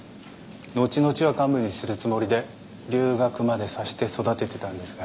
後々は幹部にするつもりで留学までさして育ててたんですが。